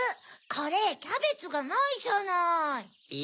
これキャベツがないじゃない。